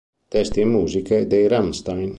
Testi e musiche dei Rammstein